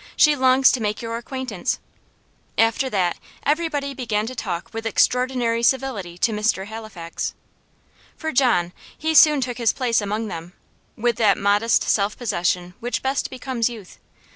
She longs to make your acquaintance." After that everybody began to talk with extraordinary civility to Mr. Halifax. For John, he soon took his place among them, with that modest self possession which best becomes youth.